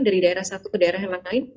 dari daerah satu ke daerah yang lain